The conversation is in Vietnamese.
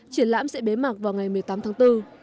triển lãm sẽ bế mạc vào ngày một mươi tám tháng bốn